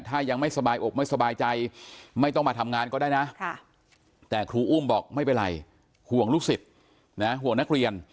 ถ้ายังไม่สบายอกไม่สบายใจไม่ต้องมาทำงานก็ได้นะแต่ครูอุ้มบอกไม่เป็นไรห่วงลูกศิษย์นะห่วงนักเรียน